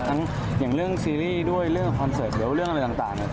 อย่างเรื่องซีรีส์ด้วยเรื่องคอนเสิร์ตหรือว่าเรื่องอะไรต่างเนี่ย